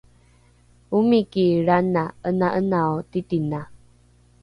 omiki lrana ’ena’enao titina